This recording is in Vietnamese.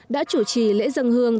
đã chủ trì lễ dân hương